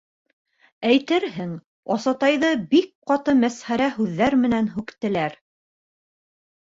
Әйтерһең, Асатайҙы бик ҡаты мәсхәрә һүҙҙәр менән һүктеләр.